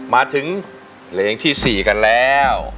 มาถึงเพลงที่๔กันแล้ว